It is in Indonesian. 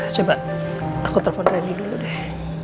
coba aku telpon randy dulu deh